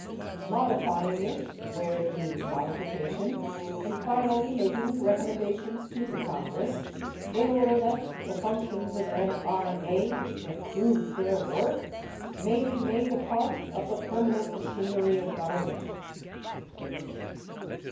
modifying it where it needs modification and finally making recommendations to the Congress, in order that the functions of N.R.A. which have proved their worth may be made a part of the permanent machinery of government.